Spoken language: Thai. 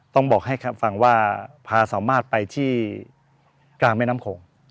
ต้องบอกให้ฟังว่าพาสามารถไปที่กลางแม่น้ำโขง